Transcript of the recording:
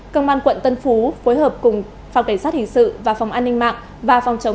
công an quận tân phú phối hợp cùng phòng cảnh sát hình sự và phòng an ninh mạng và phòng chống